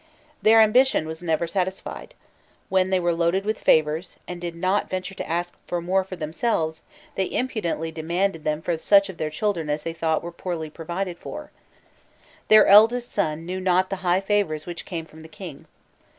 Their ambition was never satisfied; when they were loaded with favours, and did not venture to ask for more for themselves, they impudently demanded them for such of their children as they thought were poorly provided for. Their eldest son "knew not the high favours which came from the king.